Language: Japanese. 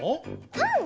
パン？